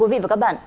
quý vị và các bạn